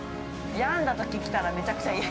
◆病んだとき来たらめちゃくちゃいい。